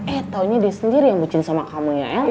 eh taunya dia sendiri yang bikin sama kamu ya el